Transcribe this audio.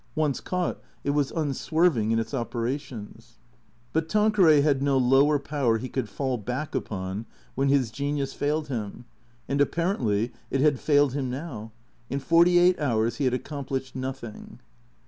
Once caught, it was unswerving in its operations. But Tanqueray had no lower power he could fall back upon when his genius failed him. And apparently it had failed him now. In forty eight hours he had accomplished nothing.